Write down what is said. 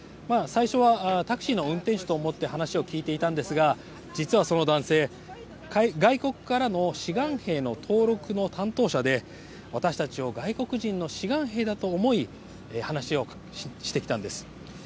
最初はタクシーの運転手と思って話を聞いていたんですが実はその男性外国からの志願兵の登録の担当者で私たちを外国人の志願兵だと思い話をしてきたんです。